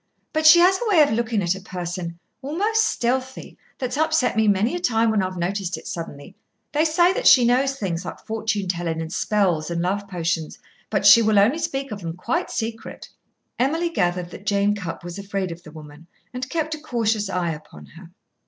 "But she has a way of looking at a person almost stealthy that's upset me many a time when I've noticed it suddenly. They say that she knows things, like fortune telling and spells and love potions. But she will only speak of them quite secret." Emily gathered that Jane Cupp was afraid of the woman, and kept a cautious eye upon her.